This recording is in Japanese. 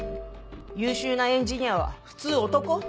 優秀なエンジニアは普通男？